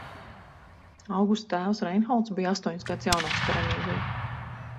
Augusta tēvs – Reinholds bija astoņus gadus jaunāks par Emīliju.